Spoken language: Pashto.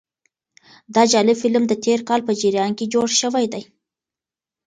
دا جالب فلم د تېر کال په جریان کې جوړ شوی دی.